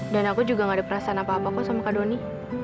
dan aku juga enggak ada perasaan apa apaku sama kak doni